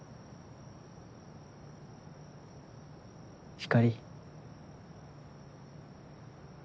ひかり。